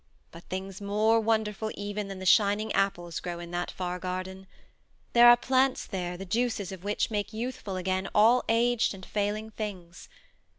But things more wonderful even than the shining apples grow in that far garden. There are plants there the juices of which make youthful again all aged and failing things.